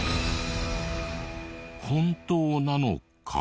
本当なのか？